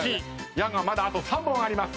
矢がまだあと３本あります。